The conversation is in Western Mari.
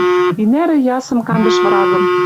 Тинӓрӹ ясым кандыш врагым